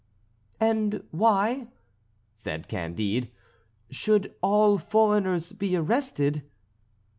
"And why," said Candide, "should all foreigners be arrested?"